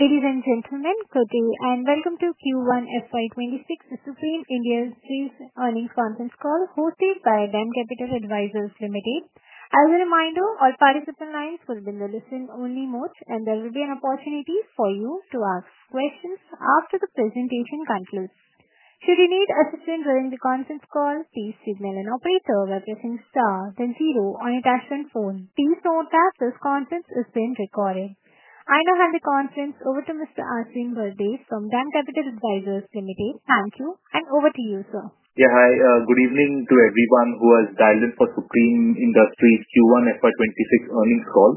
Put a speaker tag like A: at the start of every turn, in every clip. A: Ladies and gentlemen, good day, and welcome to q one FY twenty six, the Supreme India's earnings conference call hosted by Bank Capital Advisors Limited. As a reminder, all participant lines will be in the listen only mode, and there will be an opportunity for you to ask questions after the presentation concludes. Please note that this conference is being recorded. I now hand the conference over to mister Asim Berde from DAM Capital Advisors Limited. Thank you, and over to you, sir.
B: Yeah. Hi. Good evening to everyone who has dialed in for Supreme Industries q one FY twenty six earnings call.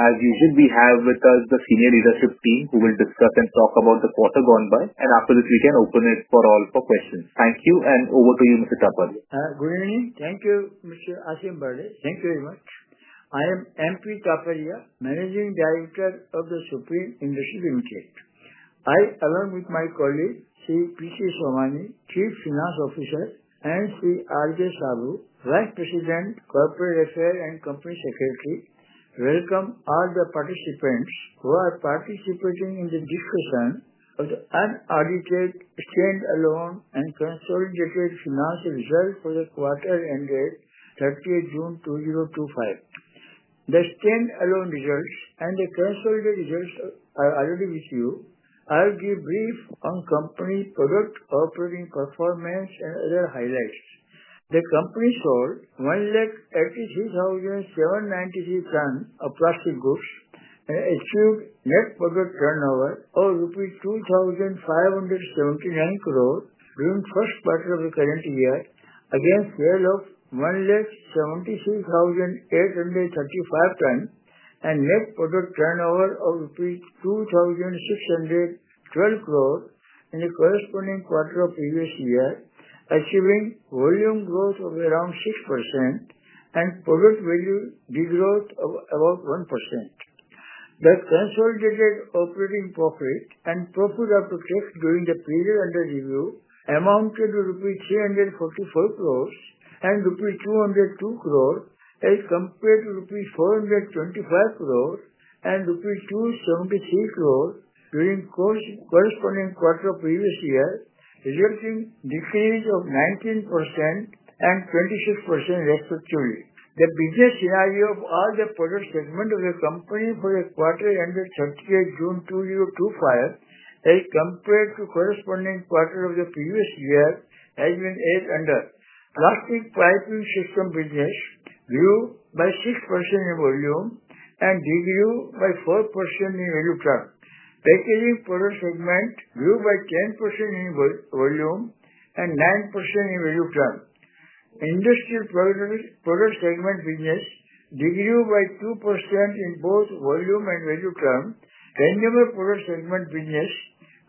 B: As usual, we have with us the senior leadership team who will discuss and talk about the quarter gone by. And after this, we can open it for all for questions. Thank you, and over to you, mister Tapali.
C: Good evening. Thank you, mister Asimbade. Thank you very much. I am MP Tafaria, managing director of the Supreme Industry Limited. I, along with my colleague, chief finance officer, and chief Rajeshavu, vice president, corporate affairs, and company secretary, welcome all the participants who are participating in the discussion of the unaudited stand alone and consolidated financial results for the quarter ended thirtieth June two zero two five. The stand alone results and the consolidated results are already with you. I'll give brief on company product, operating performance, and other highlights. The company sold one lakh eighty three thousand seven ninety three ton of plastic goods and achieved net profit turnover of rupees 2,579 crore during first quarter of the current year against sale of 176,835 tonnes and net product turnover of INR thousand 612 crore in the corresponding quarter of previous year, achieving volume growth of around 6% and product value degrowth of about 1%. The consolidated operating profit and profit after tax during the period under review amounted to rupee 344 crores and rupee 202 crore as compared to rupee 425 crore and rupee $2.73 crore during course corresponding quarter of previous year, resulting decrease of 1926%, respectively. The business scenario of all the product segment of the company for the quarter ended thirty eight June twenty twenty five as compared to corresponding quarter of the previous year as in '8 and the plastic pricing system business grew by 6% in volume and grew by 4% in value truck. Packaging product segment grew by 10% in volume and 9% in value plan. Industrial product segment business grew by 2% in both volume and value plan. Tangible product segment business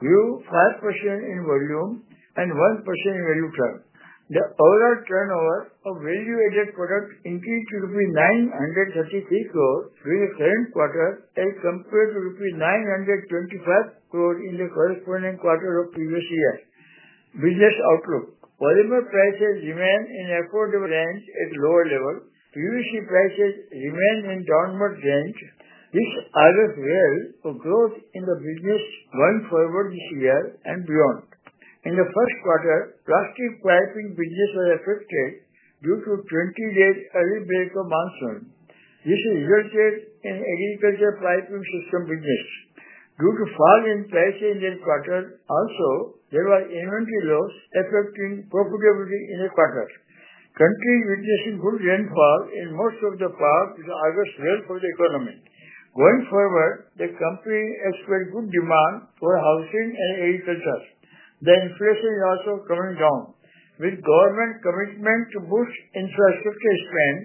C: grew 5% in volume and 1% in value term. The overall turnover of value added product increased to rupee 933 crore during the current quarter as compared to rupee 925 crore in the corresponding quarter of previous year. Business outlook. Polymer prices remain in affordable range at lower level. PVC prices remain in downward range. Which are a real growth in the business going forward this year and beyond. In the first quarter, plastic pricing business was affected due to 20 late early break of monsoon. This resulted in agriculture pricing system business due to fall in price in the quarter. Also, there were inventory loss affecting profitability in the quarter. Country business in good rainfall in most of the part is always well for the economy. Going forward, the company has put good demand for housing and. The inflation is also coming down. With government commitment to boost infrastructure spend,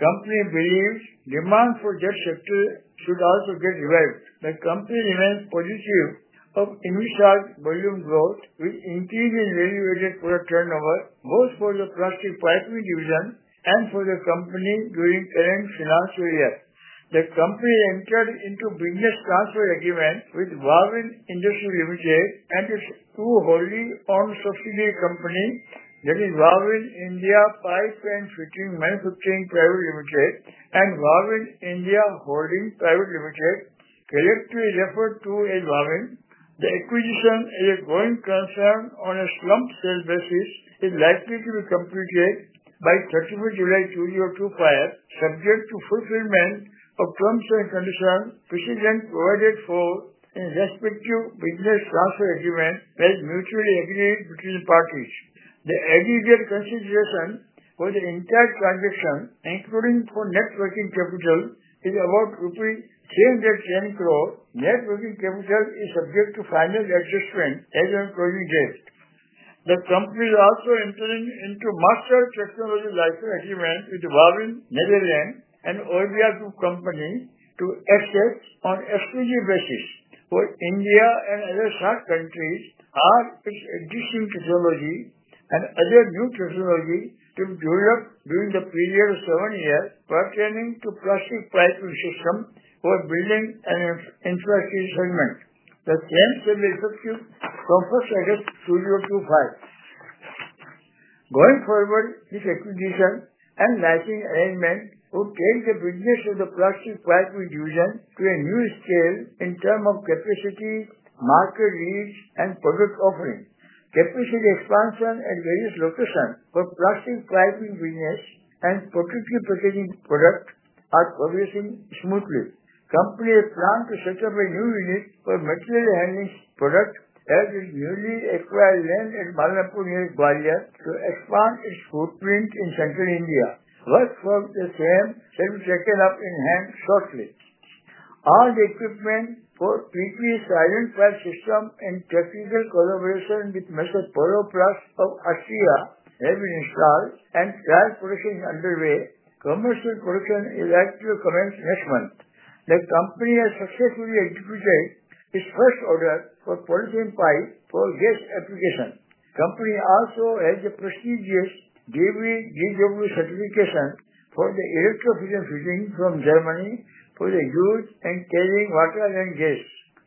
C: company believes demand for jet sector should also get revived. The company remains positive of initial volume growth with increasing value added product turnover, both for the plastic pipeline division and for the company during current financial year. The company entered into business transfer agreement with Huawei Industrial Limited and its two wholly owned subsidiary company, that is Huawei India five ten fifteen manufacturing private limited and Huawei India Holding private limited directly referred to Huawei. The acquisition is a growing concern on a slump sale basis is likely to be completed by thirty one July two year two prior subject to fulfillment of terms and conditions precedent provided for in respect to business transfer agreement that's mutually agreed between parties. The aggregate consideration for the entire transaction, including for net working capital, is about rupee 10 lakh 10 crore. Net working capital is subject to final adjustment as in project. The company is also entering into master technology license agreement with the Warwin, Netherlands, and all the other two company to access on a strategic basis for India and other sub countries are its existing technology and other new technology to do it during the period of seven years pertaining to plastic pricing system for billing and infrastructure segment. The same similar to you, Comfort segment two zero two five. Going forward, this acquisition and matching arrangement will change the business of the flagship price with Vision to a new scale in term of capacity, market reach, and product offering. Capacity expansion at various location for plastic, pipe, and business and productivity packaging product are progressing smoothly. Company plan to set up a new unit for material handling product as its newly acquired land in Malapur, New Guaya, to expand its footprint in Central India. Work from the same should be taken up in hand shortly. All the equipment for three piece silent press system and technical collaboration with Master Polo Plus of Asia have been installed and gas production underway. Commercial production is likely to commence next month. The company has successfully executed its first order for for gas application. Company also has the prestigious degree GW certification for the electric field and freezing from Germany for the use in carrying water and gas.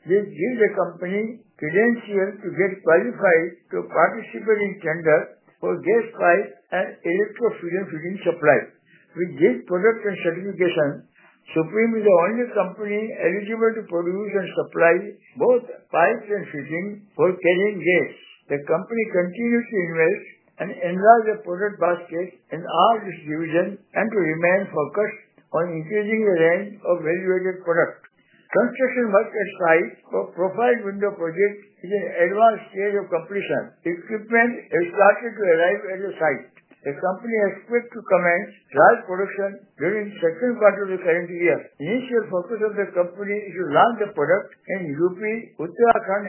C: This gives the company credentials to get qualified to participate in tender for gas pipe and electrofusion feeding supply. With this product and certification, Supreme is the only company eligible to produce and supply both pipes and feeding for carrying gas. The company continues to invest and enlarge the product basket in our distribution and to remain focused on increasing the range of value added products. Construction market site for profile window project is in advanced stage of completion. Equipment has started to arrive at the site. The company expect to commence dry production during second quarter of the current year. Initial focus of the company is to launch the product in UP, Uttarakhand,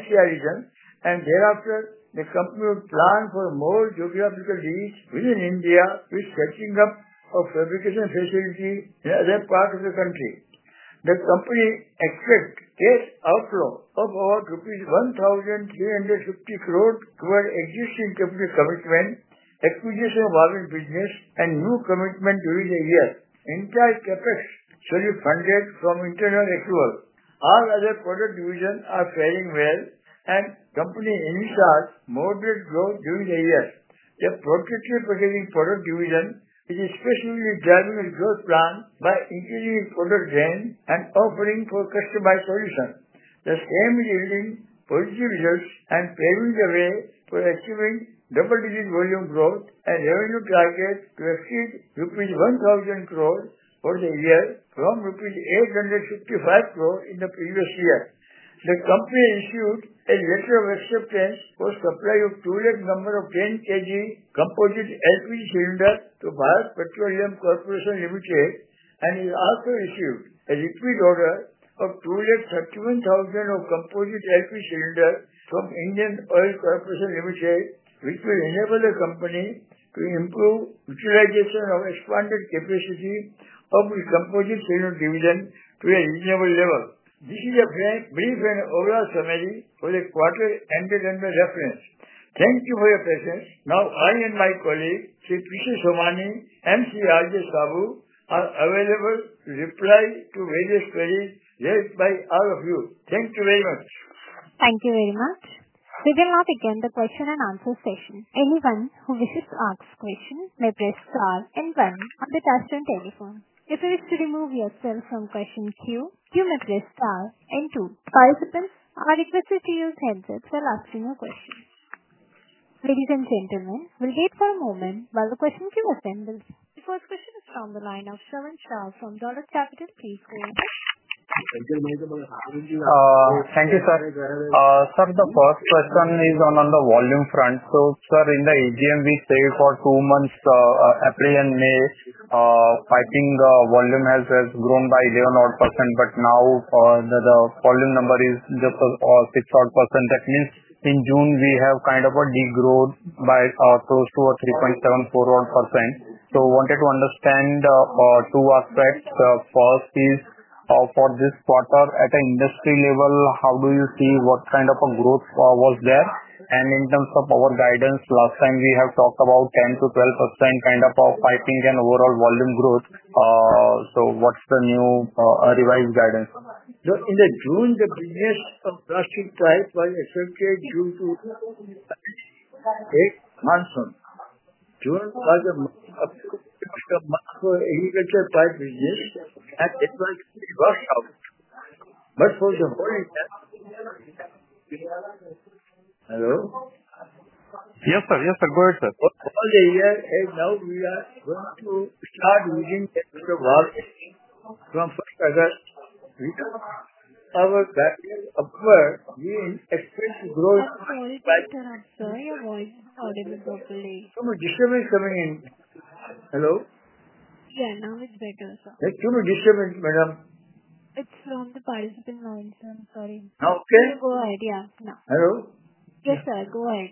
C: Asia region. And thereafter, the company will plan for more geographical reach within India, which is setting up of fabrication facility in other parts of the country. The company expect its outflow of about rupees 1,350 crore toward existing company commitment, acquisition of our business, and new commitment during the year. Entire CapEx should be funded from internal accrual. All other product divisions are failing well, and company in such moderate growth during the year. The productivity for the division is especially driving a growth plan by increasing product gain and offering for customized solution. The same yielding positive results and paving the way for achieving double digit volume growth and revenue target to exceed rupees 1,000 crore for the year from rupees 855 crore in the previous year. The company issued a letter of acceptance for supply of two lakh number of 10 kilograms composite LPG cylinder to Bayer Petroleum Corporation Limited, and it also issued a liquid order of 231,000 of composite equity cylinder from Indian oil corporation, which will enable the company to improve utilization of expanded capacity of the composite senior dividend to a reasonable level. This is a plan brief and oral summary for the quarter ended under reference. Thank you for your patience. Now I and my colleague, chief Prishesh Shumani and CJ Sahu, available to reply to various queries led by all of you. Thank you very much.
A: Thank you very much. We will now begin the question and answer session. Anyone who wishes to ask questions may press star and one on the touch tone telephone. Questions. The first question is from the line of from Dollar Capital. Please go ahead.
D: Thank you, sir. Sir, the first question is on on the volume front. So, in the AGM, we say for two months, April and May, I think the volume has has grown by zero naught percent, but now the the volume number is just six naught percent. That means in June, we have kind of a degrowth by close to a 3.74 naught percent. So wanted to understand the two aspects. First is for this quarter at the industry level, how do you see what kind of a growth was there? And in terms of our guidance, last time we have talked about 10 to 12% kind of our piping and overall volume growth. So what's the new revised guidance?
C: In the June, the previous of drastic price by effective June to Hello?
D: Yes, sir. Yes, sir. Good morning, sir.
C: What all day. Yes. And now we are going to start within the from as said, we can our staff is aware, we expect to grow
A: I'm sorry. I'm Your voice Hello? Yes, sir. Go ahead.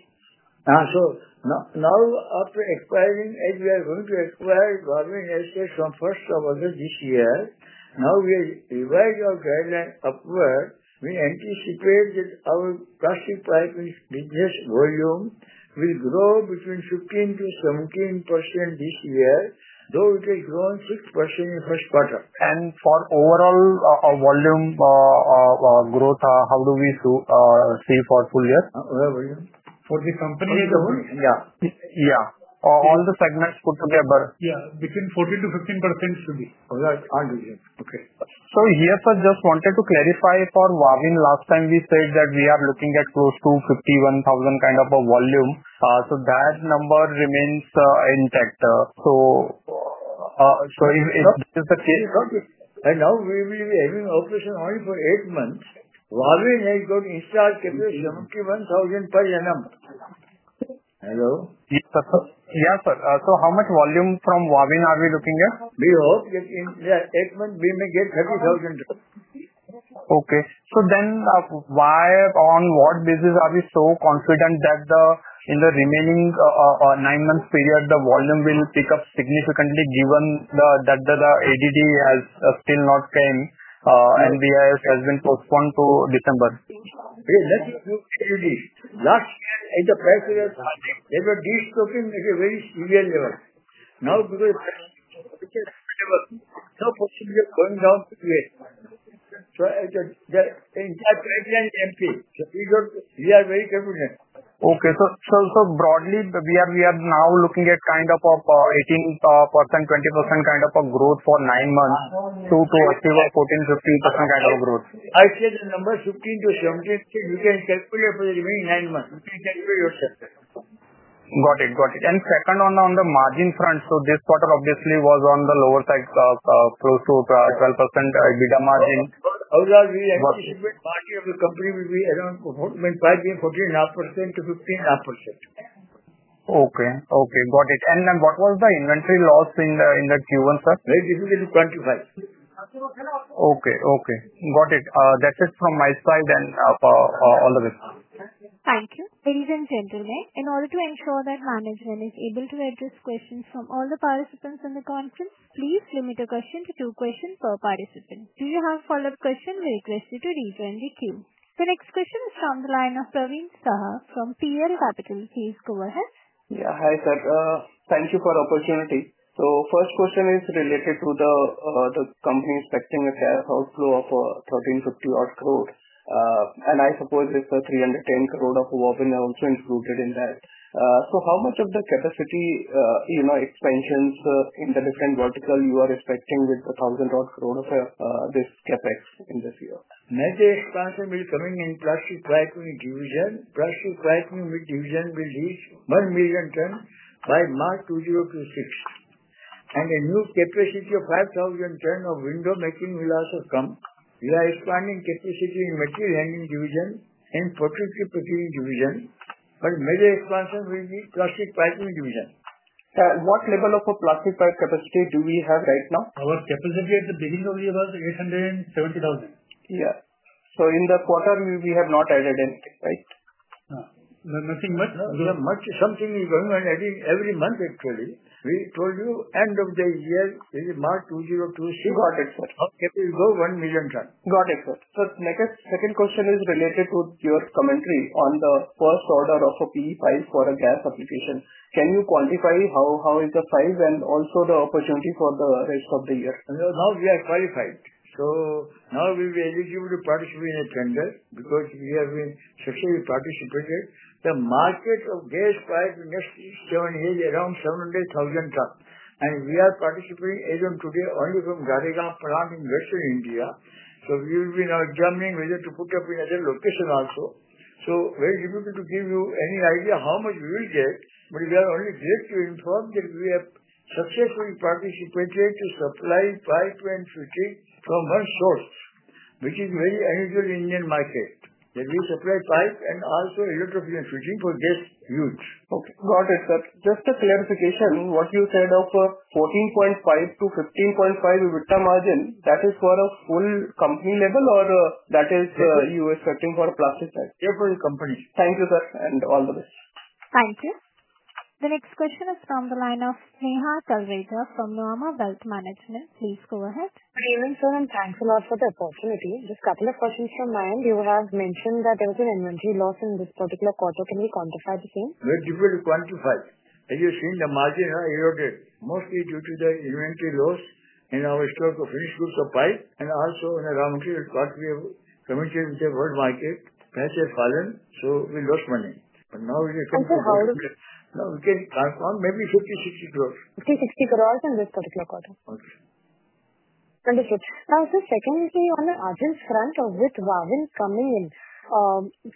C: So now now after expiring, and we are going to acquire government assets from August 1 this year. Now we have revised our guideline upward. We anticipate that our classic private business volume will grow between 15 to 17% this year, though it has grown 6% in first quarter.
D: And for overall volume growth, how do we see for full year?
C: For the company Yeah.
D: Yeah. All the segments put together.
E: Yeah. Between 40 to 15% should be.
D: Alright. I'll do it. Okay. So here, sir, just wanted to clarify for Wavin. Last time, we said that we are looking at close to 51,000 kind of a volume. So that number remains intact. So so if if this is the case And now we will be having operation only for eight months.
C: Huawei has got installed 1,000 per annum. Hello?
D: Yes, sir. Yeah, sir. So how much volume from Huawei are we looking at?
C: We hope that in the eight month, we may get 30,000.
D: Okay. So then why on what business are we so confident that in the remaining nine months period, the volume will pick up significantly given the that the the ADD has still not came, and the IS has been postponed to December.
C: Yeah. Let's look at this. Last year, in the past, were destocking at a very severe level. Now because just never. So, it's going down to. So, I just the entire trade line empty. So, we don't we are very confident.
D: Okay. So so so broadly, we are we are now looking at kind of of 18%, 20% kind of a growth for nine months to to achieve a 15% kind of growth.
C: I said the number 15 to 17, you can calculate for the remaining nine months. You can calculate yourself.
D: Got it got it. And second on on the margin front, so this quarter obviously was on the lower side of close to 12% EBITDA margin.
C: How large we actually should be part of the company will be around 14 and a half percent to 15 and a half percent.
D: Okay. Okay. Got it. And then what was the inventory loss in the in the q one, sir?
C: Like, this is 25.
D: Okay. Okay. Got it. That's it from my side and all the way.
A: Thank you. Ladies and gentlemen, in order to ensure that management is able to address questions from all the participants in the conference, please limit a question to two question per participant. Do you have follow-up question, we request you to rejoin the queue. The next question is from the line of Praveen Saha from PR Capital. Please go ahead.
F: Yeah. Hi, sir. Thank you for opportunity. So first question is related to the the company expecting a cash outflow of $13.50 odd crore. And I suppose it's a 310 crore of who are also included in that. So how much of the capacity, you know, expansions in the different vertical you are expecting with the thousand odd crore of this
C: Net day expansion will coming in plus with division plus with division will reach 1,000,000 ton by March '26. And a new capacity of 5,000 ton of window making will also come. We are expanding capacity in material handling division and for future computing division. But major expansion will be plastic pricing division.
F: What level of a plastic pipe capacity do we have right now?
E: Our capacity at the beginning of the year was 870,000.
F: Yeah. So in the quarter, we we have not added anything. Right?
E: No. Nothing much.
C: No. We have much something we're going on adding every month, actually. We told you end of the year, is it 03/02/2002 Got it, sir. Okay. Go R1,000,000.
F: Got it, sir. Sir, second question is related to your commentary on the first order of a PE file for a gas application. Can you quantify how how is the price and also the opportunity for the rest of the year?
C: No, now we are qualified. So now we'll be eligible to participate in a tender because we have been successfully participated. The market of gas price next is showing around 700,000 trucks. And we are participating as of today only from in Western India. So we will be now coming. We need to put up another location also. So we're able to give you any idea how much we will get, but we are only here to inform that we have successfully participated to supply five twenty from one source, which is very unusual Indian market. That we supply five and also a lot of the energy for this huge.
F: Okay. Got it, sir. Just a clarification, what you said of 14.5 to 15.5 EBITDA margin, that is for a full company level or that is Exactly. You are expecting for a plastic side?
C: Every company.
F: Thank you, sir, and all the best.
A: Thank you. The next question is from the line of Neha Kalvejar from Wealth Management. Please go ahead.
G: Good evening, sir, and thanks a lot for the opportunity. Just a couple of questions from my end. You have mentioned that there was an inventory loss in this particular quarter. Can we quantify the same?
C: Let me quantify. Have you seen the margin here? Due to the inventory loss in our stock of finished goods supply, and also in the raw material part we have committed in the world market, price has fallen, so we lost money. But now we can confirm, maybe $50.60 crores.
G: $50.60 crores in this particular quarter. Understood. Now, sir, secondly, on the urgent front of with Huawei coming in,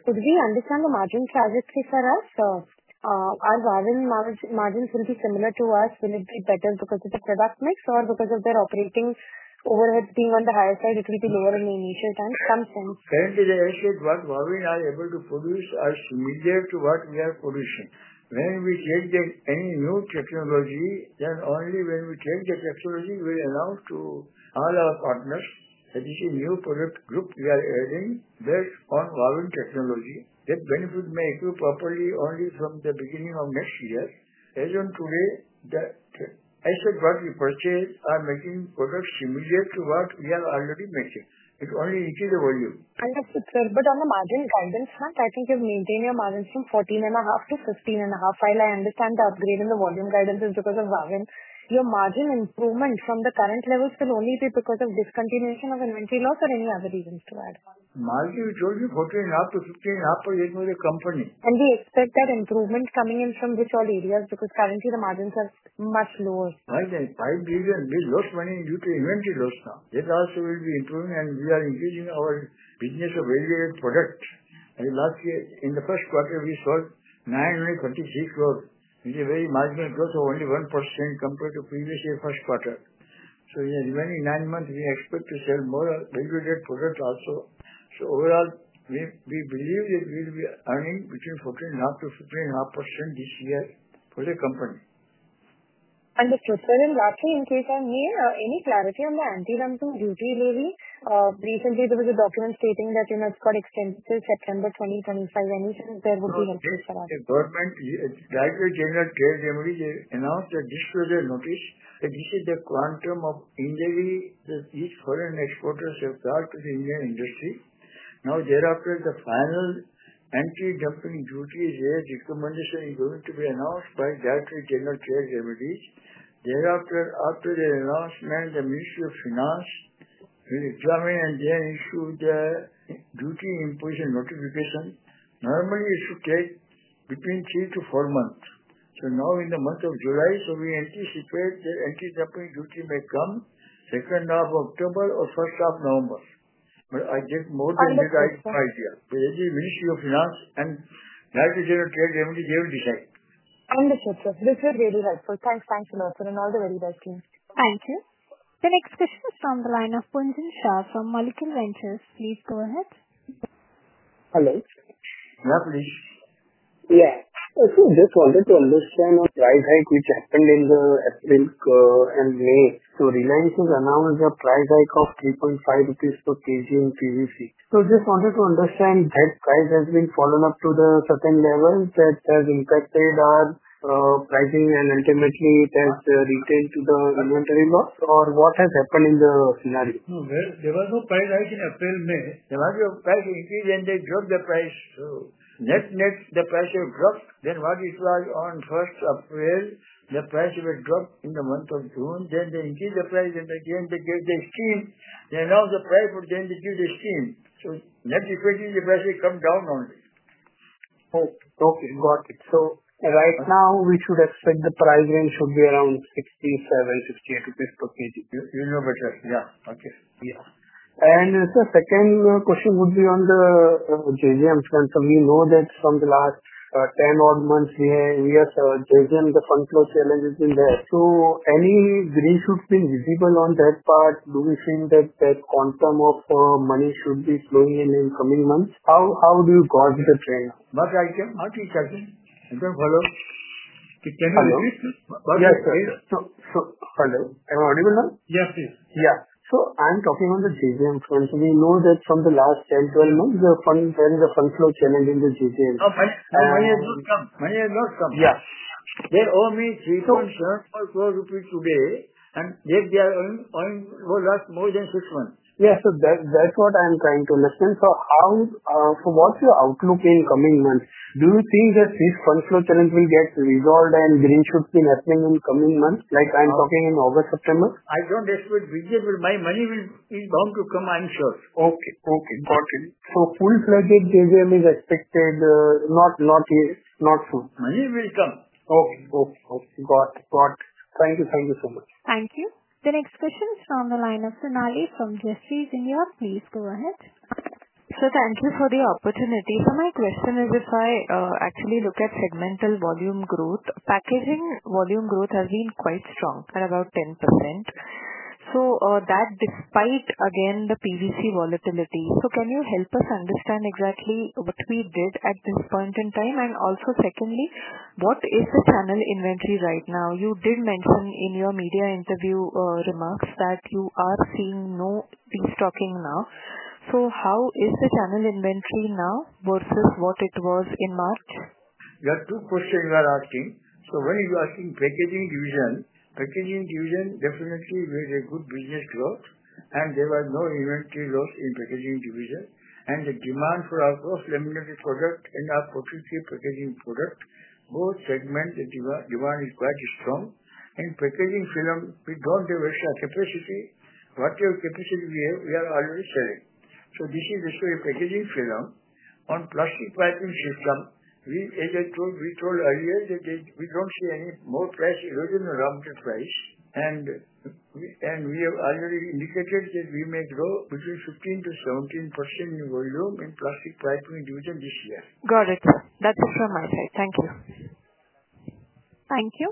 G: could we understand the margin trajectory for us? Our Huawei margins will be similar to us. Will it be better because of the product mix or because of their operating overhead being on the higher side, it will be lower in the initial time? Some sense.
C: Currently, the asset, what Huawei are able to produce as immediate to what we are producing. When we change that any new technology, then only when we change the technology, we allow to all our partners that this is new product group we are adding based on our own technology. That benefit may improve properly only from the beginning of next year. As of today, that I said what we purchased are making products similar to what we are already making. It only increase the volume.
G: Understood, sir. But on the margin guidance front, I think you've maintained your margin from 14 and a half to 15 and a half. While I understand the upgrade in the volume guidance is because of. Your margin improvement from the current levels will only be because of discontinuation of inventory loss or any other reasons to add?
C: Margin, we told you 14 and a half to 15 and half for your company.
G: And we expect that improvement coming in from which all areas because currently, the margins are much lower.
C: I think 5,000,000,000. There's lost money due to inventory loss now. It also will be improving, and we are increasing our business of various product. And last year, in the first quarter, we saw 926 growth. It's a very marginal growth of only 1% compared to previous year first quarter. So, yeah, remaining nine months, we expect to sell more integrated product also. So overall, we we believe that we'll be earning between 14 and half to 15 and a half percent this year for the company.
G: Understood, sir. And lastly, in case I may, any clarity on the duty maybe? Recently, there was a document stating that, you know, it's got extended till September 2025. Any sense there would be an update for that?
C: Government Director General Trade Remedy, they announced a disclosure notice. This is the quantum of injury that each foreign exporters have got to the Indian industry. Now thereafter, the final anti dumping duty is a recommendation is going to be announced by director general chair remedies. Thereafter after the announcement, the Ministry of Finance will examine and then issue the duty in person notification. Normally, it should take between three to four months. So now in the month of July, so we anticipate that anti Japanese duty may come October 2 or November 1. But I get more than the right idea. Ministry of Finance and that is your credit, everything they will decide.
G: Understood, sir. This is really helpful. Thanks thanks a lot, sir, and all the very best, sir.
A: Thank you. The next question is from the line of Punjin Shah from Mollikin Ventures. Please go ahead.
H: Hello. Lovely. Yeah. So, just wanted to understand on price hike which happened in the April and May. So, Reliance has announced the price hike of 3.5 rupees per kg in PVC. So just wanted to understand that price has been following up to the certain level that has impacted our pricing and ultimately, it has retained to the inventory loss or what has happened in the scenario?
C: Well, there was no price rise in April, May. The amount of price increase, and they drop the price. So net net, the price will drop. Then what it was on April 1, the price will drop in the month of June, then they increase the price. And, again, they gave the scheme. Then now the price would then give the scheme. So net difference in the price will come down only.
H: Oh, okay. Got it. So right now, we should expect the price range should be around $67.68 rupees per kg.
C: You you know better. Yeah. Okay. Yeah.
H: And the second question would be on the okay. I'm just wondering, you know, from the last ten odd months, we have we have, Jay, the fund flow challenge has been there. So any green should be visible on that part? Do we think that that quantum of money should be flowing in in coming months? How how do you go with the trend?
C: But I can I can check-in? You can follow. Can you repeat this? Yes, So so hello.
H: Am I audible now? Yes, please. Yeah. So I'm talking on the GBM funds. We know that from the last ten, twelve months, the funds and the funds flow channel in the GBM.
C: Oh, fine. And when you come. When you have lost some.
H: Yeah.
C: They owe me 304 rupees today, and yet they are owing owing for less more than six months.
H: Yeah. So that that's what I'm trying to understand. So how so what's your outlook in coming months? Do you think that this funds flow challenge will get resolved and green should be happening in coming months? Like, I'm talking in August, September?
C: I don't expect. My money will is going to come, I'm sure.
H: Okay. Okay. Got it. So full project JVM is expected not not yet. Not soon.
C: Money will come.
H: Okay. Okay. Okay. Got it. Got it. Thank you. Thank you so much.
A: Thank you. The next question is from the line of from Jefferies India. Please go ahead.
I: Sir, thank you for the opportunity. So my question is if I actually look at segmental volume growth, packaging volume growth has been quite strong at about 10%. So that despite again the PVC volatility. So can you help us understand exactly what we did at this point in time? And also secondly, what is the channel inventory right now? You did mention in your media interview remarks that you are seeing no destocking now. So how is the channel inventory now versus what it was in March?
C: There are two questions you are asking. So when you are asking packaging division, packaging division definitely made a good business growth, and there were no inventory loss in packaging division. And the demand for our gross laminated product and our packaging product, both segment and the the one is quite strong. In packaging film, we don't have a share capacity. What your capacity we have, we are already selling. So this is the same packaging film. On plastic packaging system, we as I told we told earlier that they we don't see any more price erosion around the price. And we and we have already indicated that we may grow between 15 to 17% new volume in plastic pricing division this year.
I: Got it, sir. That's it from my side. Thank you.
A: Thank you.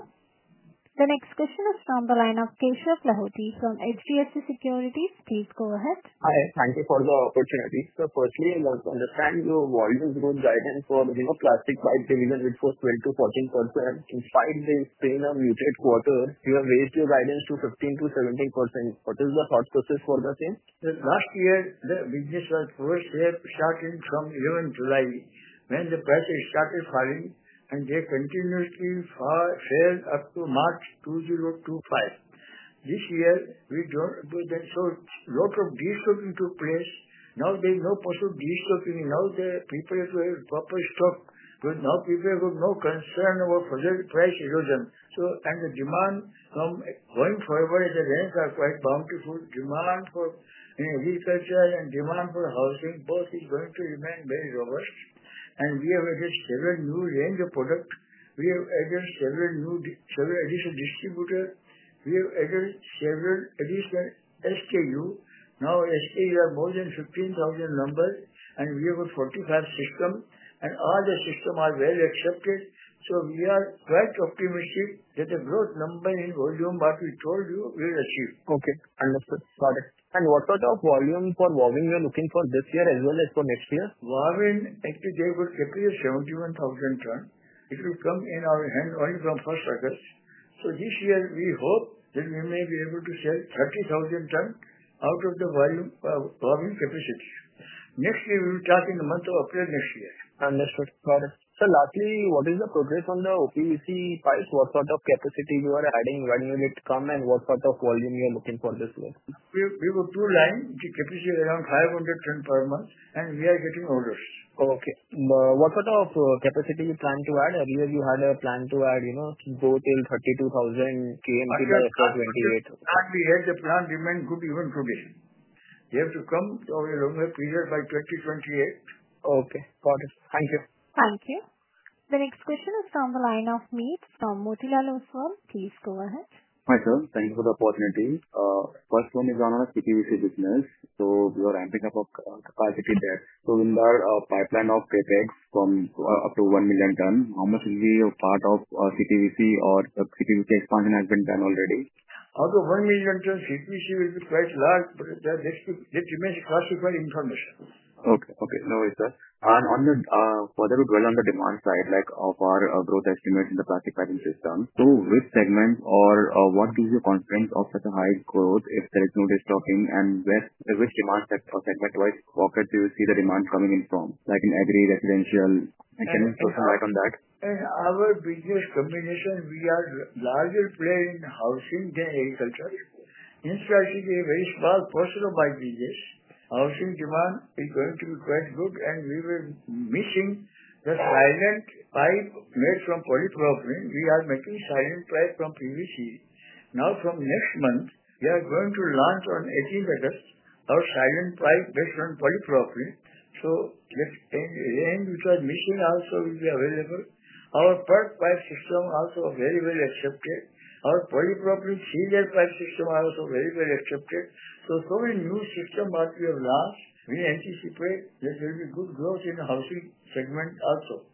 A: The next question is from the line of Kesha from HDFC Securities. Please go ahead.
J: Hi. Thank you for the opportunity. So firstly, I want to understand your volume growth guidance for, you know, plastic five premium, which was 12 to 14%. In spite of strain of muted quarter, you have raised your guidance to 15 to 17%. What is the thought process for the same?
C: Last year, the business was first started from November, when the prices started falling, and they continuously fell up to March '25. This year, we don't do that. So lot of destocking took place. Now there's no possible destocking. Now the people have a proper stock. But now people have no concern about project price erosion. So and the demand from going forward is a range of quite bountiful demand for and we said that and demand for housing both is going to remain very robust. And we have added several new range of product. We have added several new several additional distributor. We have added several additional SKU. Now, actually, we have more than 15,000 number, and we have a 45 system. And all the system are well accepted. So we are quite optimistic that the growth number in volume what we told you will achieve.
J: Okay, understood. Got it. And what sort of volume for Huawei you're looking for this year as well as for next year?
C: Volume actually they will capture 71,000 ton. It will come in our hand only from first August. So this year, we hope that we may be able to sell 30,000 ton out of the volume volume capacity. Next year, we will start in the month of April next year.
J: Understood, got it. Sir, lastly, what is the progress on the OPEC files? What sort of capacity you are adding when you need to come and what sort of volume you are looking for this year?
C: We we have a two line, the capacity around 500 ton per month and we are getting orders.
J: Okay. What sort of capacity you plan to add? Earlier, you had a plan to add, you know, to go till 32,000 KMT by '28.
C: And we had the plan remain good even today. We have to come to our longer period by 2028.
J: Okay. Got it. Thank you.
A: Thank you. The next question is from the line of from. Please go ahead.
K: Hi, sir. Thank you for the opportunity. First one is on our CPEC business. So we are ramping So in our pipeline of CapEx from up to 1,000,000 ton, how much will be your part of CPVC or CPVC expansion has been done already?
C: Although 1,000,000 tons, CPVC will be quite large, but that that should that remains classified information.
K: Okay. Okay. No worries, sir. And on the for the good on the demand side, like, of our growth estimate in the plastic packaging system, to which segment or or what gives you confidence of such a high growth if there is no destocking? And where which demand set or segment wise pocket do you see the demand coming in from? Like, in every residential, I can put some light on that.
C: Our biggest combination, we are larger player in housing than agriculture. In strategy, are very small portion of our business. Our sync demand is going to be quite good, and we were missing the silent pipe made from polypropylene. We are making silent pipe from PVC. Now from next month, we are going to launch on 18 letters our silent five based on polypropylene. So let's and and which admission also will be available. Our third five system also are very, accepted. Our polypropylene five system are also very, very accepted. So so many new system that we have launched, we anticipate that there'll be good growth in the housing segment also.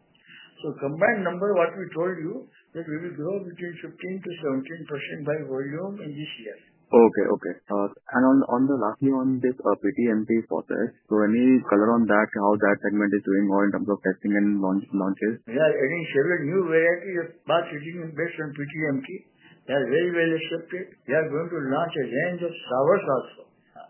C: So combined number, what we told you, that we will grow between 15 to 17% by volume in this year.
K: Okay. Okay. And on on the lastly, this PTMT process, so any color on that, how that segment is doing more in terms of testing and launch launches?
C: Yeah. I think several new variety of parts heating and based on PTMT. They are very well accepted. They are going to launch a range of sour sauce,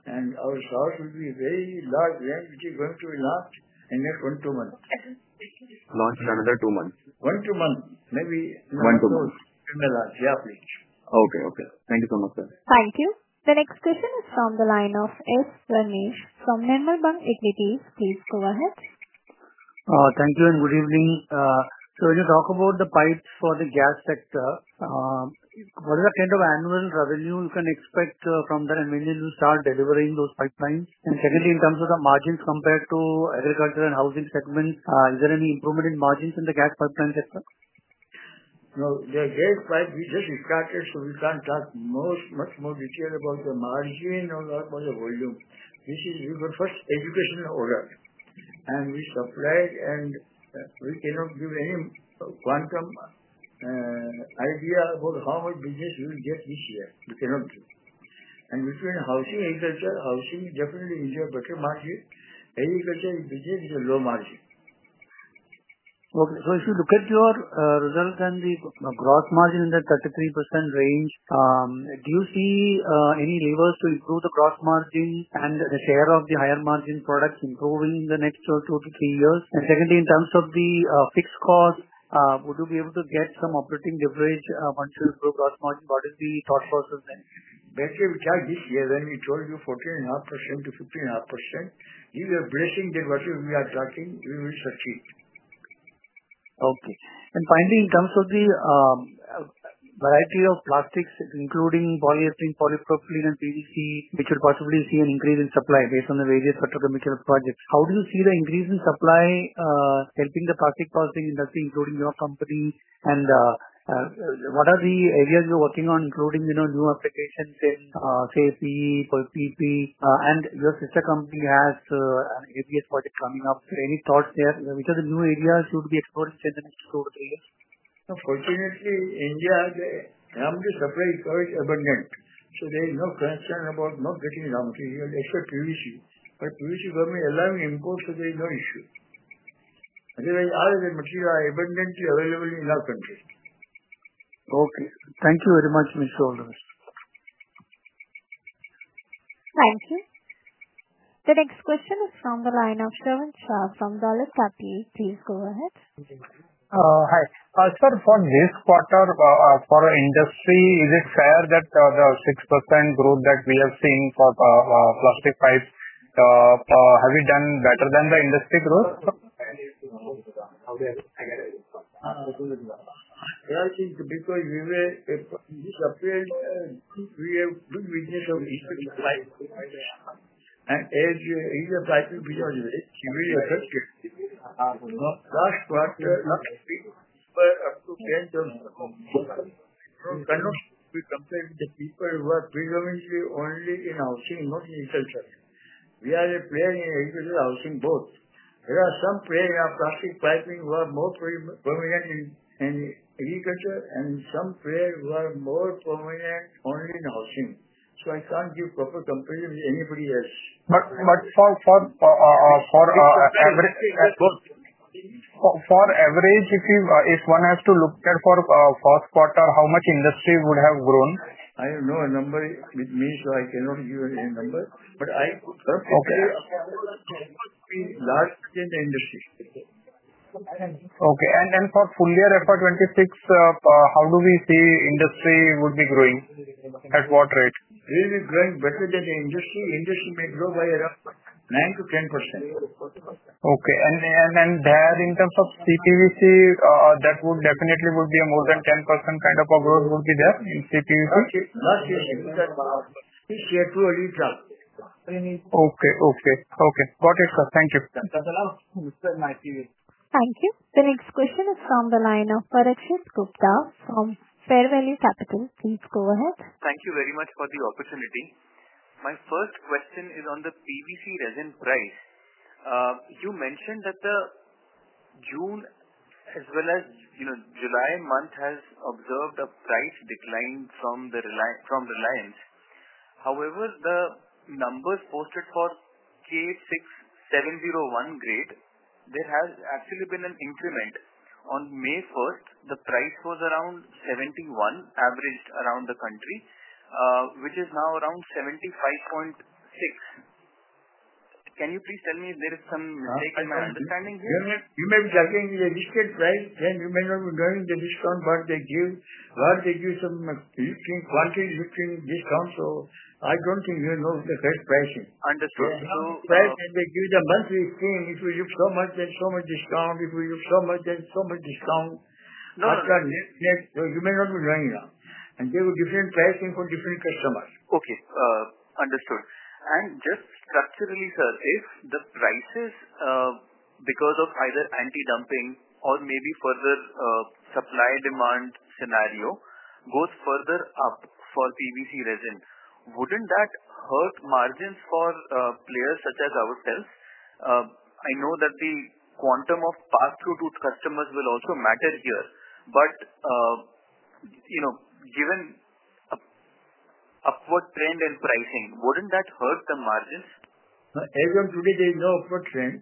C: our sauce will be very large range, which is going to be launched in next one, two months.
K: Okay. Launched in another two months?
C: One, two months. Maybe One to month. In the last. Yeah, please.
K: Okay. Okay. Thank you so much, sir.
A: Thank you. The next question is from the line of S Ramesh from Nembong Equities. Please go ahead.
L: Thank you, and good evening. So when you talk about the pipes for the gas sector, what is the kind of annual revenue you can expect from that and when will you start delivering those pipelines? And secondly, in terms of the margins compared to agriculture and housing segment, is there any improvement in margins in the gas pipeline sector?
C: No. The gas pipe, we just started, so we can't talk most much more detail about the margin or not for the volume. This is even first educational order, and we supplied, and we cannot give any quantum idea about how much business you will get this year. We cannot do. And between housing, agriculture, housing definitely is a better market. Agriculture is busy with a low margin.
L: Okay. So if you look at your results and the gross margin in the 33% range, do you see any levers to improve the gross margin and the share of the higher margin products improving in the next two to three years? And secondly, in terms of the fixed cost, would you be able to get some operating leverage once you improve gross margin? What is the thought process then?
C: Basically, we tried this year when we told you 14 and a half percent to 15 and a half percent. Either blessing the virtue we are tracking, we will succeed.
L: Okay. And finally, in terms of the variety of plastics, including polyethylene, polypropylene, and PVC, which will possibly see an increase in supply based on the various petrochemical projects. How do you see the increase in supply helping the plastic processing industry including your company? And what are the areas you're working on including, you know, new applications in safety, for PP? And your sister company has ABS project coming up. Any thoughts there?
C: Because the new ABS should be exported in the next two to three years. Unfortunately, India, the I'm just afraid for it, but then, So there is no concern about not getting it on TV, except. But, we see, we're allowing in course, so there is no issue. Anyway, other than material, abundantly available in our country.
L: Okay. Thank you very much, miss.
A: Thank you. The next question is from the line of from. Please go ahead.
D: Hi. Sir, for this quarter, for our industry, is it fair that the 6% growth that we have seen for plastic pipes, have you done better than the industry growth?
C: I get it. Yeah. I think because we were We are a player in agriculture, housing both. There are some player in our plastic pricing who are more premium prominent in in agriculture, and some players who are more prominent only in housing. So I can't give proper comparison to anybody else.
D: But but for for for average, if you if one has to look at for fourth quarter, how much industry would have grown?
C: I know a number with me, so I cannot give any number. But I perfect there. Large in the industry.
D: Okay. And then for full year FY '26, how do we see industry would be growing at what rate?
C: We'll be growing better than the industry. Industry may grow by around nine to 10%.
D: Okay. And and then there in terms of CPVC, that would definitely would be a more than 10% kind of a growth would be there in CPVC? Okay. Okay. Okay. Got it, sir. Thank you.
C: That's enough.
A: Thank you. The next question is from the line of from Fair Valley Capital. Please go ahead.
M: Thank you very much for the opportunity. My first question is on the PVC resin price. You mentioned that the June as well as July month has observed a price decline from Reliance. However, the numbers posted for k six seven zero one grade, there has actually been an increment. On May 1, the price was around 71, averaged around the country, which is now around 75.6. Can you please tell me if there is some mistake in my understanding here?
C: You may be judging the discount, right, then you may not be doing the discount, but they give but they give some, like, 15 quantities, discounts, so I don't think you know the best pricing.
M: Understood.
C: So Right. And they give the monthly thing. If we use so much, then so much discount. If we use so much, then so much discount.
M: No.
C: That's not net net. So you may not be running out. And there were different pricing for different customers.
M: Okay. Understood. And just structurally, sir, if the prices, because of either antidumping or maybe further supply demand scenario goes further up for PVC resin, wouldn't that hurt margins for players such as ourselves? I know that the quantum of pass through to customers will also matter here. But, you know, given upward trend in pricing, wouldn't that hurt the margins?
C: As of today, there is no upward trend.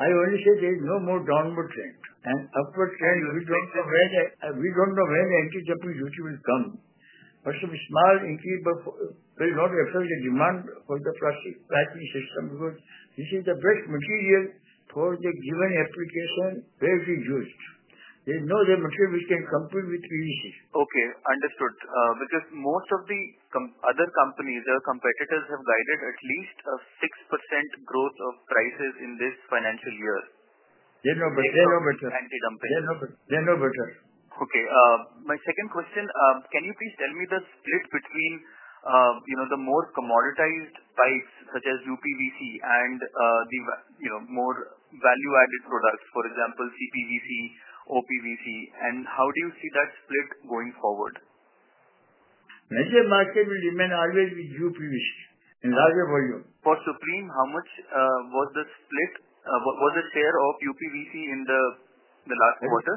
C: I only say there is no more downward trend. And upward trend, we don't know where the we don't know when the MTJPY will come. But some small increase, but they'll not affect the demand for the plastic battery system. Because this is the best material for the given application where it is used. They know the material we can complete with PVC.
M: Okay. Understood. Because most of the other companies or competitors have guided at least a 6% growth of prices in this financial year.
C: They're no better. They're no better. They're better.
M: My second question, can you please tell me the split between, you know, the more commoditized pipes such as UPVC and the, you know, more value added products, for example, CPVC, OPVC? And how do you see that split going forward?
C: Major market will remain always with UPVC and larger volume.
M: For Supreme, how much was the split? What was the share of UPVC in the the last quarter?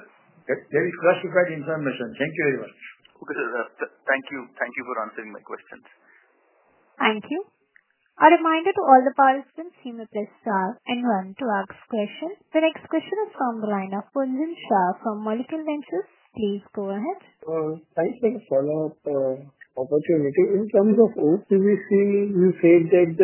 C: That is classified information. Thank you very much.
M: Okay, sir. Thank you.
C: Thank you for answering my questions.
A: Thank you. A reminder to all the participants, you may press star and one to ask question. The next question is from the line of Punjin Shah from Molecular Ventures. Please go ahead.
H: I have a follow-up opportunity. Opportunity. In terms of OTC, you said that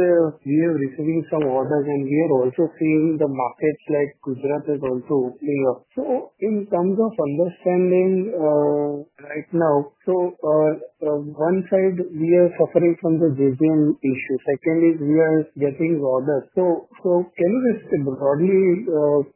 H: we are receiving some orders and we are also seeing the markets like Gujarat is also clear. So in terms of understanding right now, so one side, we are suffering from the vision issue. Secondly, we are getting orders. So so can you just broadly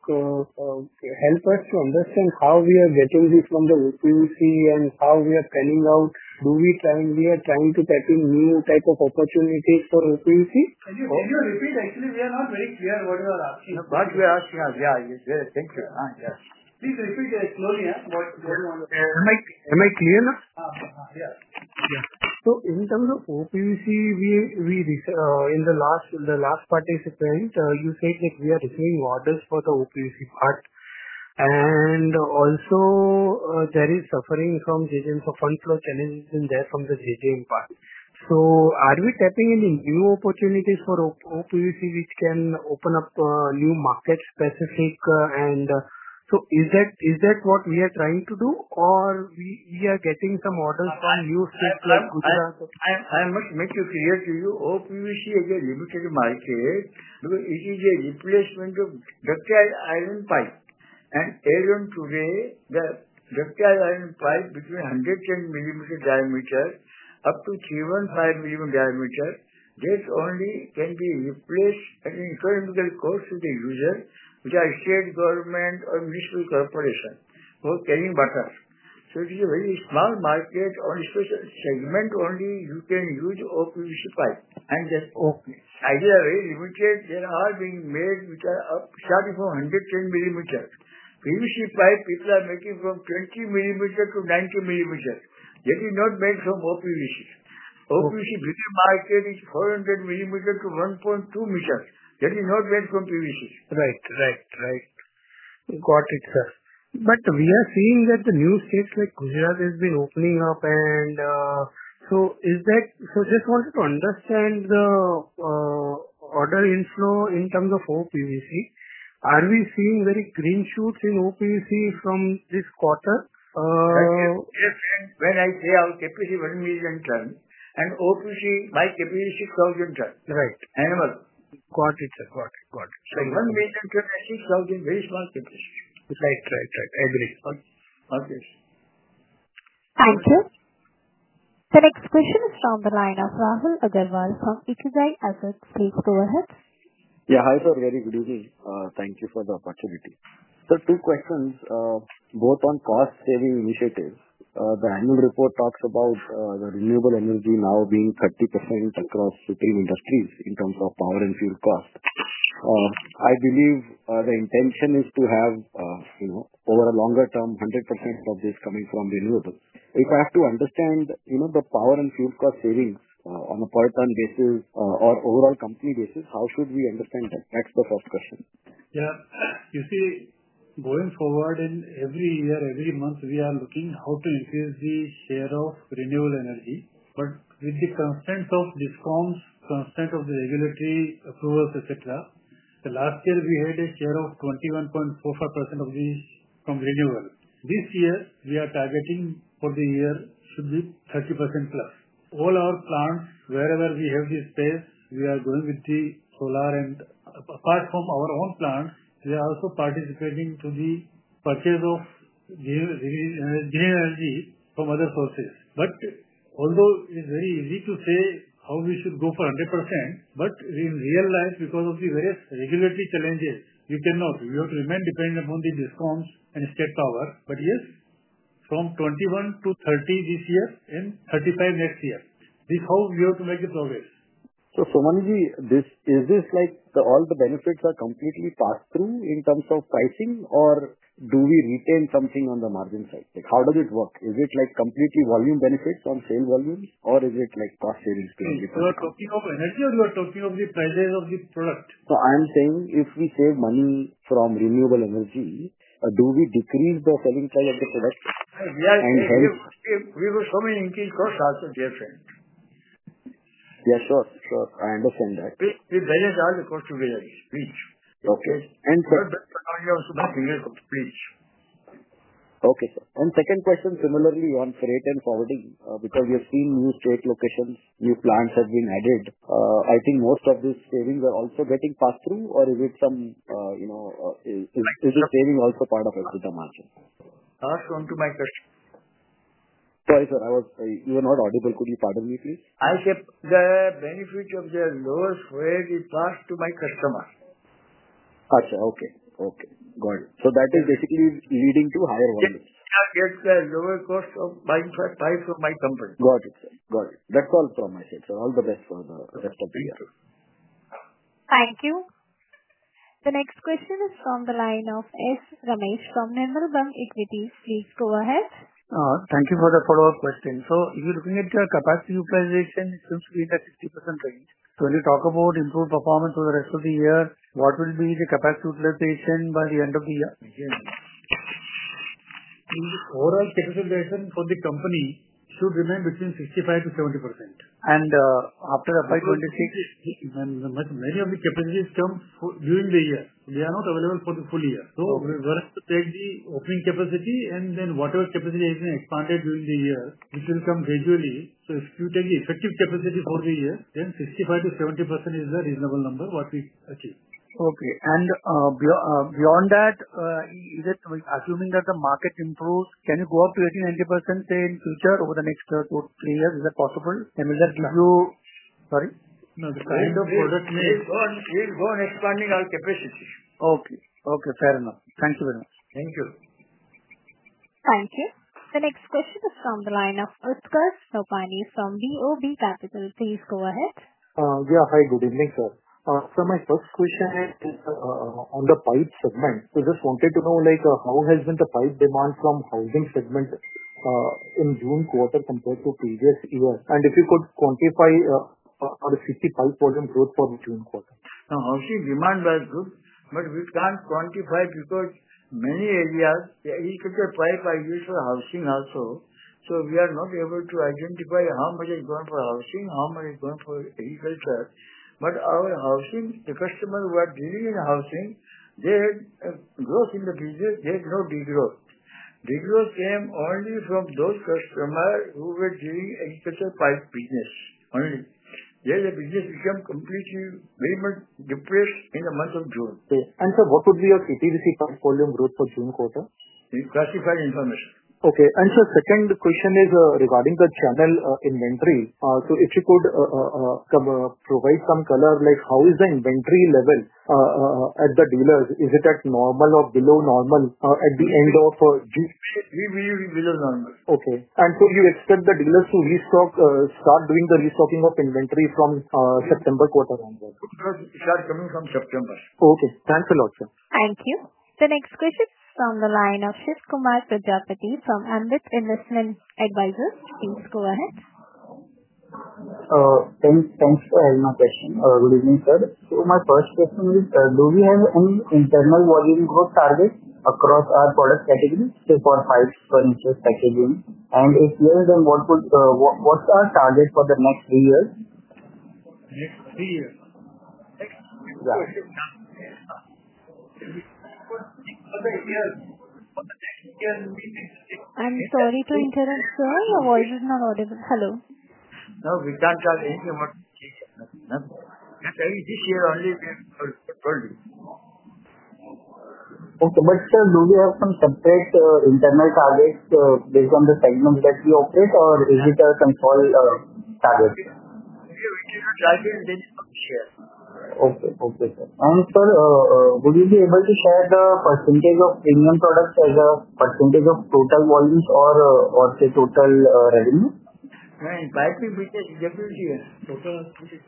H: help us to understand how we are getting this from the POC and how we are selling out? Do we try we are trying to type in new type of opportunities for POC? Can you can you repeat?
C: Actually, we are not very clear what you are asking. But we are asking as yeah. You said it. Thank you. Yes.
E: Please repeat the.
H: Am I am I clear now?
C: Yes.
H: Yeah. So in terms of OPBC, we we in the last in the last participant, you said that we are receiving orders for the OPBC part.
C: And also, there is suffering from the funds flow challenges in there from the JGN part.
H: So are we tapping any new opportunities for OPC which can open up new market specific and so is that is that what we are trying to do?
C: Or we we are getting some orders from new I I must make you clear to you. Hope you will see a limited market. It is a replacement of the iron pipe. And even today, the ductile iron pipe between 110 millimeter diameter up to three one five millimeter diameter. This only can be replaced at the current cost of the user, which I shared government or mutual corporation for. So it is a very small market on a special segment only. You can use or PVC pipe and just open. I really would say they are all being made which are starting from 110 millimeter. PVC pipe, people are making from 20 millimeter to 90 millimeter. That is not made from OPBC. OPBC video market is 400 millimeter to 1.2 meter. That is not meant from PVC.
H: Right. Right. Right. Got it, sir. But we are seeing that the new states like Gujarat has been opening up, and so is that so just wanted to understand the order inflow in terms of OPBC. Are we seeing very green shoots in OPBC from this quarter?
C: I guess, yes, and when I say our KPC 1,000,000 term and OPBC, my KPC thousand term.
H: Right.
C: Animal.
H: Got it, sir. Got it. Got it.
C: So 1,026,000 very small capacity.
H: Right. Right. Right. Agree. Okay.
A: Thank you. The next question is from the line of Rahul Agarwal from Equizai Asset. Please go ahead.
N: Yeah. Hi, sir. Very good evening. Thank you for the opportunity. Sir, two questions, both on cost saving initiatives. The annual report talks about the renewable energy now being 30% across the three industries in terms of power and fuel cost. I believe the intention is to have, you know, over a longer term, 100% of this coming from renewables. If I have to understand, you know, the power and fuel cost savings on a per ton basis or overall company basis, how should we understand that? That's the first question.
E: Yeah. You see, going forward in every year, every month, we are looking how to increase the share of renewal energy. But with the consent of discounts, consent of the regulatory approvals, etcetera, The last year, we had a share of 21.45% of these from renewal. This year, we are targeting for the year should be 30% plus. All our plants, wherever we have this space, we are going with the solar and apart from our own plants, we are also participating to the purchase of the energy from other sources. But although it's very easy to say how we should go for 100%, but in real life, because of the various regulatory challenges, we cannot. We have to remain dependent upon the discounts and state power. But, yes, from 21 to 30 this year and 35 next year, This how we have to make a progress.
N: So, Sumanji, this is this, like, the all the benefits are completely passed through in terms of pricing or do we retain something on the margin side? Like, how does it work? Is it, like, completely volume benefits on sale volumes or is it, like, cost savings?
E: Talking of energy or you are talking of the prices of the product?
N: No. I'm saying if we save money from renewable energy, do we decrease the selling price of the product?
C: We are saying if we will show many increased cost outs, dear friend. Yeah.
N: Sure. Sure. I understand that.
C: We we balance out the cost of village.
N: Okay. And sir.
C: But I also not English.
N: Okay, sir. And second question, similarly on freight and forwarding, because we have seen new state locations, new plants have been added. I think most of these savings are also getting passed through or is it some, you know, is is this saving also part of EBITDA margin?
E: That's on to my question.
N: Sorry, sir. I was you are not audible. Could you pardon me, please?
C: I kept the benefit of their lowest rate is passed to my customer.
N: Okay. Okay. Got it. So that is basically leading to higher one.
C: Yes, sir. Lower cost of buying price of my company.
N: Got it, sir. Got it. That's all from my side. So all the best for the rest of the Thank
A: you. The next question is from the line of S Ramesh from Nimaribam Equities. Please go ahead.
L: Thank you for the follow-up question. So if you're looking at your capacity utilization, it seems to be in the 60% range. So when you talk about improved performance for the rest of the year, what will be the capacity utilization by the end of the year?
E: Overall capitalization for the company should remain between 65 to 70%. And after FY '26 Many of the capacities come during the year. They are not available for the full year. So we're we're to take the opening capacity and then whatever capacity has been expanded during the year, it will come gradually. So if you take the effective capacity for the year, then 65 to 70% is the reasonable number what we achieve.
L: Okay. And beyond that, is it assuming that the market improves? Can you go up to eighty ninety percent in future over the next three years? Is that possible? And will that give sorry?
E: You No. The kind of the product may We'll we'll go on expanding our capacity.
L: Okay. Okay. Fair enough. Thank you very much.
C: Thank you.
A: Thank you. The next question is from the line of from BOB Capital. Please go ahead.
O: Yeah. Hi. Good evening, sir. Sir, my first question is on the pipe segment. So just wanted to know, like, how has been the pipe demand from housing segment in June compared to previous year? And if you could quantify on a 65% growth for the June.
C: No. I'll see. Demand was good, but we can't quantify because many areas, yeah, you could apply for usual housing also. So we are not able to identify how much is going for housing, how much is going for. But our housing, the customer who are dealing in housing, they had growth in the business. There's no big growth. Big growth came only from those customer who were doing a special pipe business Only they have business become completely very much depressed in the month of June. K.
O: And sir, what would be your PPBC comp volume growth for June?
C: In classified information.
O: Okay. And sir, second question is regarding the channel inventory. So if you could come provide some color, like, how is the inventory level at the dealers? Is it at normal or below normal at the June?
C: We we we below normal.
O: Okay. And so you expect the dealers to restock start doing the restocking of inventory from September onwards?
C: Start coming from September.
O: Okay. Thanks a lot, sir.
A: Thank you. The next question is from the line of Shiv Kumar Pradjapati from Ambit Investment Advisors. Please go ahead.
P: Thanks thanks for having my question. Good evening, sir. So my first question is, do we have any internal volume growth target across our product categories, say, for five percentage of packages? And if you're then what would what what's our target for the next three years?
C: Next three years.
P: Yeah.
A: I'm sorry to interrupt, sir. Your voice is not audible. Hello?
P: Okay. But, sir, do we have some separate internal targets based on the segments that we operate, or is it a control target?
C: Yeah. We can charge it then share.
P: Okay. Okay, sir. And sir, would you be able to share the percentage of premium products as a percentage of total volumes or or say total revenue?
C: Right, by the way, can definitely.
P: Okay. Thank you,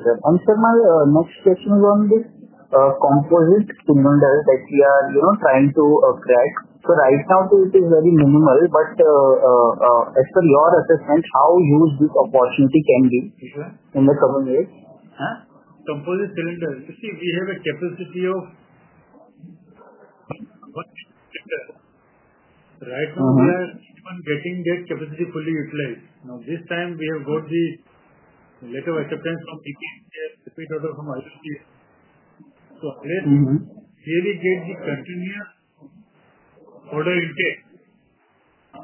P: sir. And sir, my next question is on this. Compose it to know that we are, you know, trying to upgrade. So right now, it is very minimal, but as per your assessment, how huge this opportunity can be in the current rate?
C: Composite cylinder. You see, we have a capacity of one. Right? We are getting that capability fully utilized. Now this time, we have got the letter acceptance from. So let's really get the continue Okay.
P: So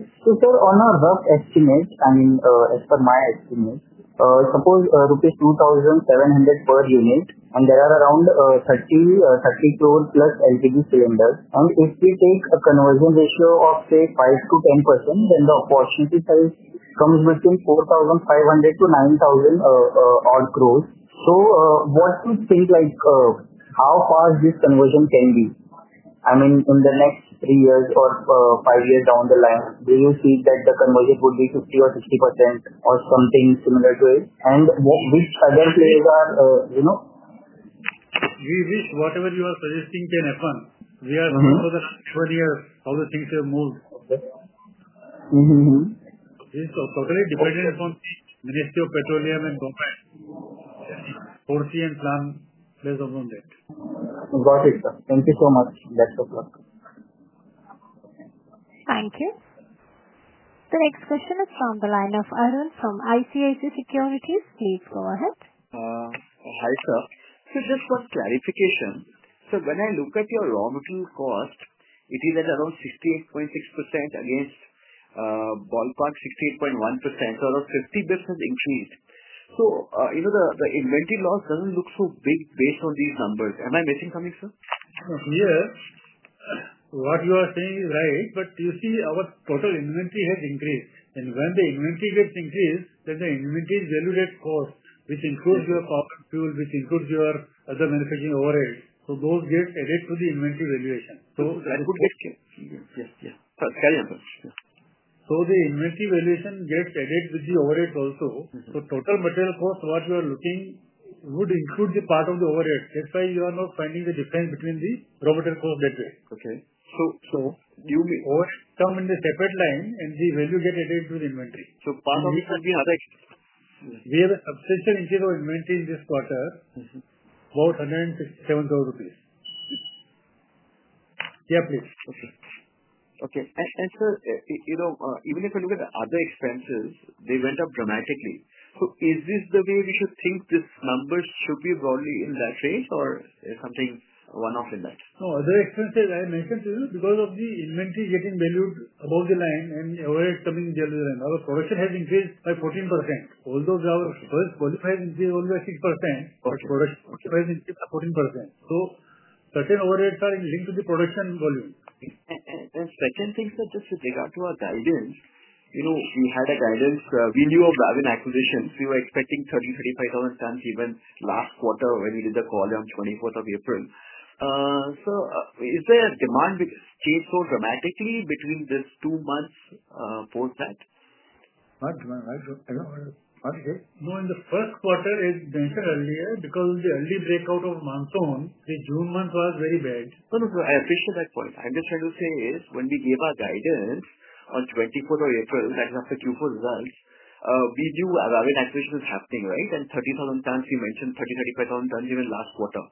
P: sir, on our rough estimate, I mean, as per my estimate, suppose rupees 2,700 per unit, and there are around thirty thirty two plus LTV cylinders. And if we take a conversion ratio of, say, five to 10%, then the opportunity price comes within 4,500 to 9,000 odd growth. So what do you think, like, how far this conversion can be? I mean, in the next three years or five years down the line, do you see that the conversion would be 50 or 60% or something similar to it? And what which other players are, you know?
C: We wish whatever you are suggesting to an FN. We are Mhmm. The twenty years, all the things have moved. Okay. So totally dependent upon Ministry of Petroleum and compliance. Portion plan based on that.
P: Got it, sir. Thank you so much. Best of luck.
A: Thank you. The next question is from the line of Arun from ICIC Securities. Please go ahead.
Q: Hi, sir. So just for clarification. So when I look at your raw material cost, it is at around 68.6% against ballpark 68.1%. So, about 50% increase. So, even the the inventory loss doesn't look so big based on these numbers. Am I missing something, sir?
C: Yes. What you are saying is right, but you see our total inventory has increased. And when the inventory gets increased, then the inventory is valued at cost, which includes your cost, which includes your manufacturing overhead. So those get added to the inventory valuation. So that is good.
Q: Yes yes.
C: So the inventory valuation gets added with the overhead also. So total material cost, what you are looking would include the part of the overhead. That's why you are not finding the difference between the raw material cost that way.
Q: Okay.
C: So so do you Or come in the separate line and the value get added to the inventory. So part of We the have a substantial internal inventory in this quarter, about 157,000 rupees. Yeah, please.
Q: Okay. Okay. And and sir, you know, even if you look at the other expenses, they went up dramatically. So is this the way we should think this numbers should be broadly in that phase or something one off in that?
C: No. The expenses I mentioned to you, because of the inventory getting valued above the line and the overhead coming down the line. Our production has increased by 14%. Although the first qualified is only 6%.
Q: Okay. Okay.
C: 14%. So that's an overhead, sir, linked to the production volume.
Q: And second thing, sir, just with regard to our guidance, you know, we had a guidance. We knew of that in acquisitions. We were expecting thirty, thirty five thousand tons even last quarter when we did the call on April 24. So is there a demand which changed so dramatically between these two months for that?
C: No. In the first quarter, it's been said earlier because the early breakout of month on, the June month was very bad.
Q: No. No. No. I appreciate that point. I'm just trying to say is when we gave our guidance on April 24, that's after q four results, we do allow an acquisition happening. Right? And 30,000 tons, you mentioned thirty, thirty five thousand tons even last quarter.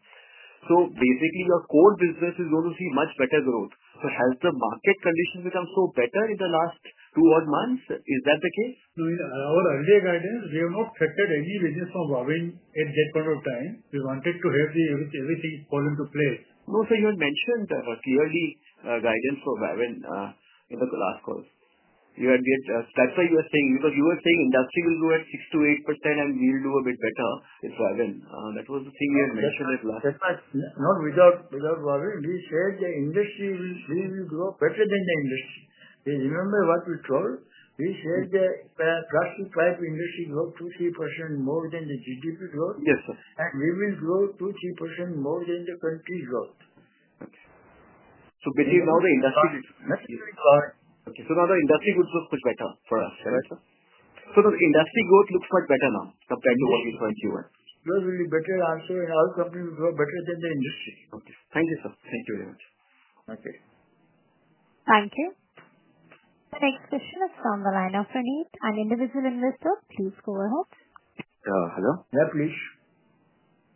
Q: So basically, your core business is going to see much better growth. So has the market condition become so better in the last two odd months? Is that the case?
C: No. Our earlier guidance, we have not factored any business from Huawei at that point of time. We wanted to have the everything everything fall into place.
Q: No. So you had mentioned clearly guidance for Huawei in the last call.
C: You had get that's why you are saying because you were saying industry will go at six to 8%, and we'll do a bit better with seven. That was the thing you had mentioned last year. Not without without worry. We said the industry will will grow better than the industry. Remember what we told? We said that classified industry grow 3% more than the GDP growth.
Q: Yes, sir. And we will grow 3% more than the country growth.
C: So between now the industry That's very good.
Q: Okay. So now the industry would look much better for us. Correct, sir? So the industry growth looks much better now compared to what you saw in Q1.
C: That will be better answer in our company. Are better than the industry.
Q: Okay. Thank you, sir. Thank you very much.
C: Okay.
A: Thank you. The next question is from the line of Puneet, an individual investor. Please go ahead.
K: Hello? Yeah, please.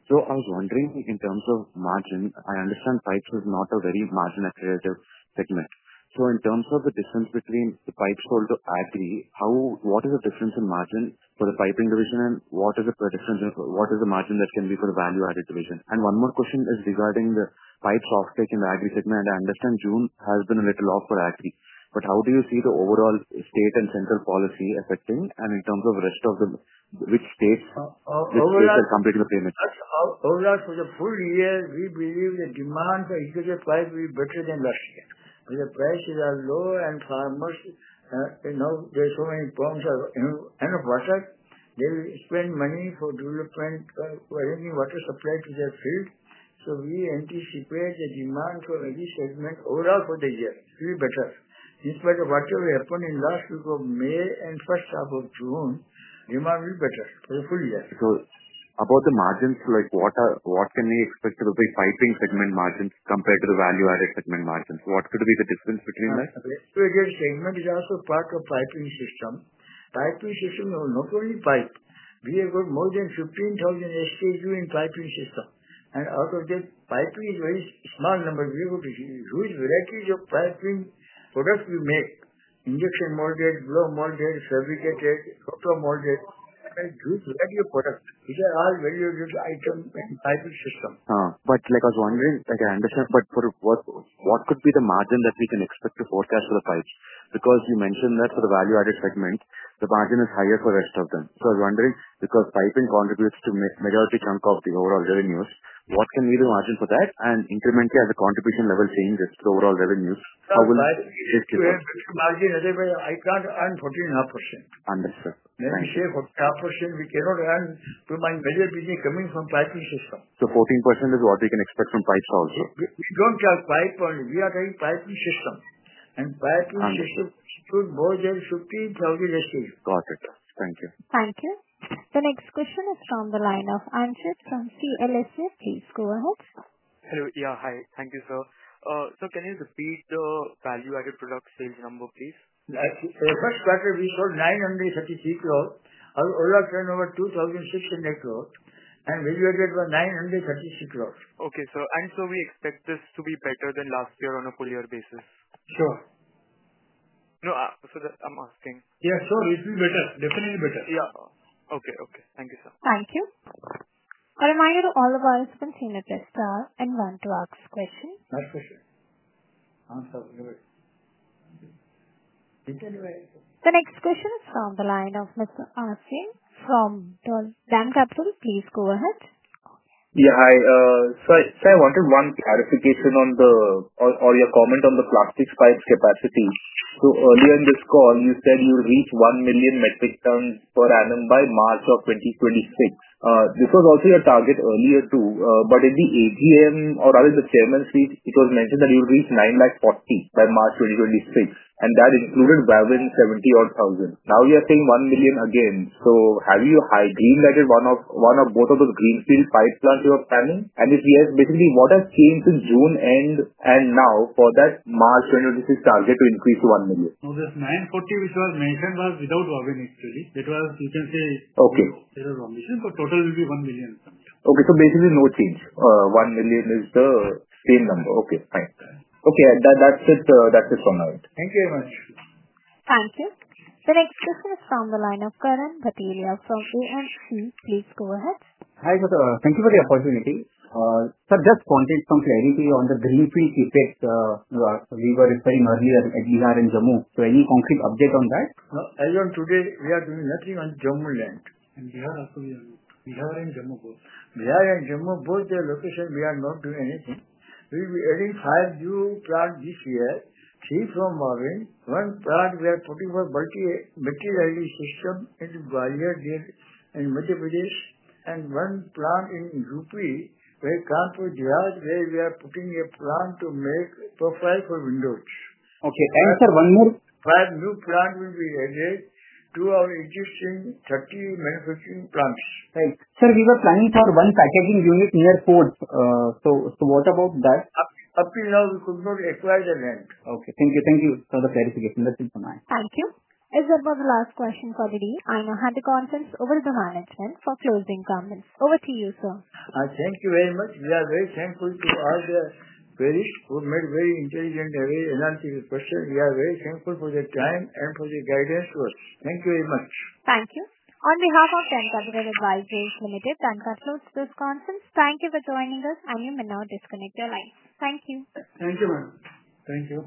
K: So I was wondering, in terms of margin, I understand pipes is not a very margin accretive segment. So in terms of the difference between the pipes sold to AbbVie, how what is the difference in margin for the piping division and what is the prediction, what is the margin that can be for the value added division? And one more question is regarding the pipes off take in the Agri segment. I understand June has been a little off for Agri, but how do you see the overall state and central policy affecting and in terms of rest of the, which states Oh, complete okay. The payment.
C: That's all. All that for the full year, we believe the demand for utility price will be better than Russia. When the prices are low and farmers, you know, there's so many problems of, you know, end of water. They will spend money for doing a plant for any water supply to their field. So we anticipate the demand for any segment overall for the year to be better. Despite of what you have done in May and June, you might be better for the full year.
K: So about the margins, like, what are what can we expect to be piping segment margins compared to the value added segment margins? What could be the difference between that?
C: So again, segment is also part of piping system. Piping system, not only pipe, we have got more than 15,000 s t u in piping system. And out of this, piping is very small number. We will be who is the package of piping products we make, Injection mortgage, blow mortgage, fabricated, auto mortgage. I do like your product. These are all very good item and type of system.
K: Uh-huh. But, like, I was wondering, like, I understand, but for the what what could be the margin that we can expect to forecast for the pipes? Because you mentioned that for the value added segment, the margin is higher for rest of them. So I was wondering, because piping contributes to majority chunk of the overall revenues, what can we do margin for that? And incrementally, as a contribution level changes to overall revenues, how will I can't earn 14 and a half percent. Understood.
C: Let me say 14%, we cannot earn from my major business coming from pipeline system.
K: So 14% is what we can expect from pipes also.
C: We we don't have pipe only. We are doing pipeline system. And pipe in system should more than 15,000.
K: It. Thank you.
A: Thank you. The next question is from the line of Anshid from CLSA. Please go ahead.
K: Hello. Yeah. Hi. Thank you, sir. Sir, can you repeat the value added product sales number, please?
C: Actually, first quarter, we sold 933 crore. Our order turnover 2,016 crore, and value added was 936 crore.
K: Okay, sir. And so we expect this to be better than last year on a full year basis?
C: Sure.
K: No. So that I'm asking.
C: Yeah. Sure. It will be better. Definitely better.
K: Yeah. Okay. Okay. Thank you, sir.
A: Thank you. A reminder to all of our participants in a press star and want to ask questions.
C: That's for sure.
A: The next question is from the line of mister Asim from Land Capital. Please go ahead.
B: Yeah. Hi. Sir, sir, I wanted one clarification on the or or your comment on the plastics pipes capacity. So earlier in this call, you said you'll reach 1,000,000 metric tons per annum by March. This was also your target earlier too. But in the AGM or rather the chairman's seat, was it mentioned that you'll reach nine lakh forty by March 2026, and that included 7,000. Now you are saying 1,000,000 again. So have you high green lighted one of one of both of those greenfield pipelines you are planning? And if we have basically, what has changed in June and and now for that March, you know, this is targeted to increase to 1,000,000.
E: No. That's $9.40 which was mentioned was without Huawei initially. It was you can say Okay. There is wrong mission, but total will be 1,000,000.
B: Okay. So basically, no change. 1,000,000 is the same number. Okay. Fine. Okay. That that's it. That's it for now.
C: Thank you very much.
A: You. The next question is from the line of Karan from. Please go ahead.
K: Hi, sir. Thank you for the opportunity. Sir, just wanted some clarity on the green free effect. We were referring earlier at in Jammu. So any concrete update on that?
C: No. As of today, we are doing nothing on Jammu land. We are in in Jammu both, their location, we are not doing anything. We will be adding five new plant this year, three from Marvin. One plant, we are putting one multi materiality system in in and one plant in rupee, where we are putting a plant to make profile for windows.
K: Okay. And sir, one more Five new plant will be added to our existing 30 manufacturing plants. Right. Sir, we were planning for one packaging unit near port. So so what about that?
C: Up up till now, we could not acquire the land.
K: Okay. Thank you. Thank you for the clarification. That's it for now.
A: Thank you. Is that for the last question for today? I now hand the conference over to the management for closing comments. Over to you, sir.
C: Thank you very much. We are very thankful to all the various who made very intelligent and very enthusiastic person. We are very thankful for their time and for the guidance to us. Thank you very much.
A: Thank you. On behalf of the entire advisory committee, that concludes this conference. Thank you for joining us, and you may now disconnect your lines. Thank you.
C: Thank you, ma'am. Thank you.